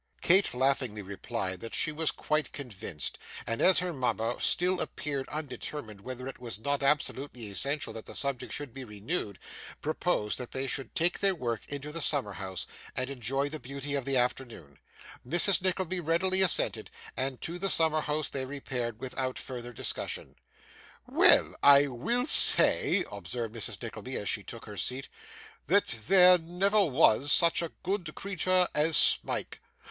Kate laughingly replied that she was quite convinced; and as her mama still appeared undetermined whether it was not absolutely essential that the subject should be renewed, proposed that they should take their work into the summer house, and enjoy the beauty of the afternoon. Mrs. Nickleby readily assented, and to the summer house they repaired, without further discussion. 'Well, I will say,' observed Mrs. Nickleby, as she took her seat, 'that there never was such a good creature as Smike.